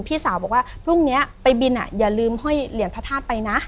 พี่สาวบอกว่าพรุ่งนี้ไปบินอย่าลืมห้อยเหรียญพระธาตุไปนะ